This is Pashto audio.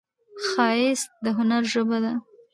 ښایست د هنر ژبه ده